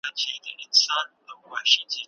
غمجن رباب د زړه په مراندو ګوتې وهي